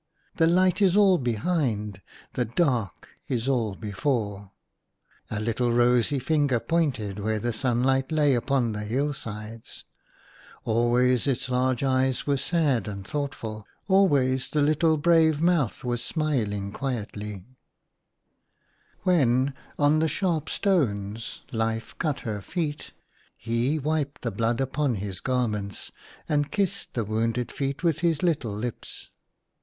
The light is all behind, the dark is all before," a little rosy finger pointed where the sunlight lay upon the hill sides. Always its large eyes were sad and thoughtful : always the little brave mouth was smiling quietly. 4nr THE LOST JOY. 17 When on the sharp stones Life cut her feet, he wiped the blood upon his garments, and kissed the wounded feet with his Httle hps.